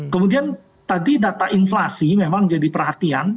kemudian tadi data inflasi memang jadi perhatian